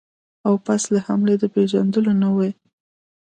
او پس له حملې د پېژندلو نه وي.